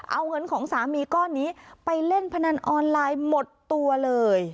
เอาเงินของสามีก้อนนี้ไปเล่นพนันออนไลน์หมดตัวเลย